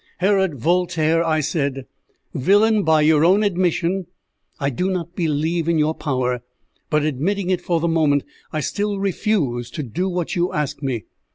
"Herod Voltaire," I said, "villain by your own admission, I do not believe in your power; but, admitting it for the moment, I still refuse to do what you ask me.